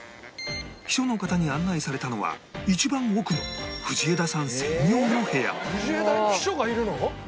秘書の方に案内されたのは一番奥の藤枝に秘書がいるの？